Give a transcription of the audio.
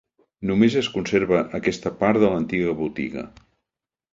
Només es conserva aquesta part de l'antiga botiga.